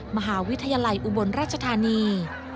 มหาวิทยาลัยอุบลราชธานี